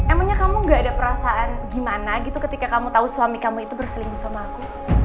emangnya kamu gak ada perasaan gimana gitu ketika kamu tahu suami kamu itu berselingkuh sama aku